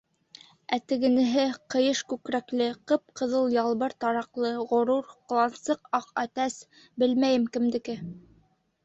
Ә тегенеһе, ҡыйыш күкрәкле, ҡып-ҡыҙыл ялбыр тараҡлы, ғорур, ҡылансыҡ аҡ әтәс, белмәйем, кемдеке.